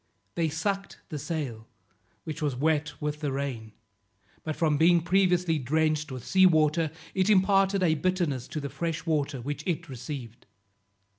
They sucked the sail, which was wet with the rain, but from being previously drenched with sea water, it imparted a bitterness to the fresh water which it received.